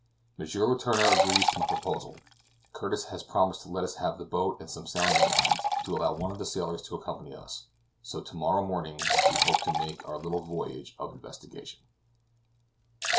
M. Letourneur agrees to my proposal, Curtis has promised to let us have the boat and some sounding lines, and to allow one of the sailors to accompany us; so to morrow morning, we hope to make our little voyage of investigation.